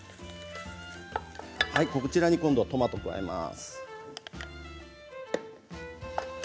こちらに今度トマトが入ります。